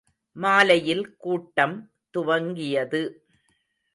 மாலையில் கூட்டம் துவங்கியது.